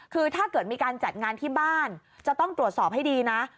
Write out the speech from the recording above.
คือถ้าเกิดมีการจัดงานที่บ้านจะต้องตรวจสอบให้ดีนะ